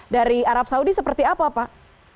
dari arab saudi seperti apa pak